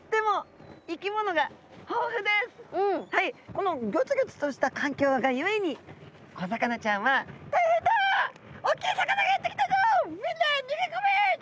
このギョツギョツとした環境がゆえに小魚ちゃんは「大変だ！おっきい魚がやって来たぞ。みんな逃げ込め！